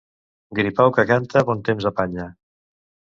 Gripau que canta bon temps apanya.